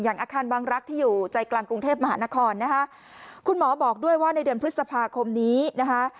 อาคารวังรักที่อยู่ใจกลางกรุงเทพมหานครนะคะคุณหมอบอกด้วยว่าในเดือนพฤษภาคมนี้นะคะ